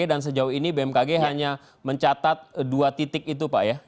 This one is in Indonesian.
dan sejauh ini bmkg hanya mencatat dua titik itu pak ya